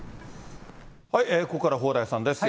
ここからは蓬莱さんです。